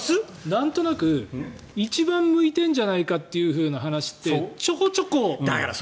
なんとなく一番向いてるんじゃないかって話ってちょこちょこ聞く。